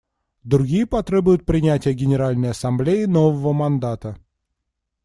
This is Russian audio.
Другие потребуют принятия Генеральной Ассамблеей нового мандата.